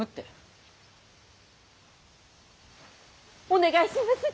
お願いします！